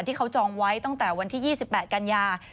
ที่เขาจองไว้ตั้งแต่วันที่๒๘กันยา